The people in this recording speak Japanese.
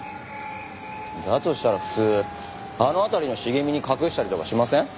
だとしたら普通あの辺りの茂みに隠したりとかしません？